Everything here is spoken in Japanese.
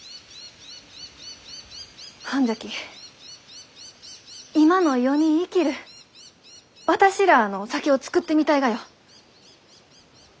ほんじゃき今の世に生きる私らあの酒を造ってみたいがよ。